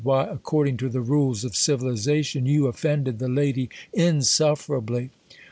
Why, according to the rules of civilization, you ollcnded the lady insufferably.